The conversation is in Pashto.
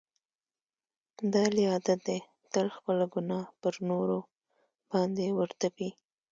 د علي عادت دی تل خپله ګناه په نورو باندې ور تپي.